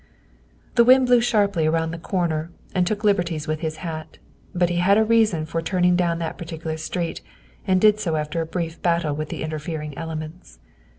'' The wind Hew sharply around the corner and took liberties with his hat, but he had a reason for turning down that particular street and did so after a brief battle with the interfering elements.